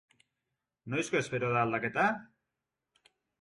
Noizko espero da aldaketa?